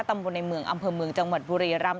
ตำบลในเมืองอำเภอเมืองจังหวัดบุรีรำ